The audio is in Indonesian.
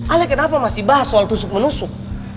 ale kenapa masih bahas soal tusuk menusuk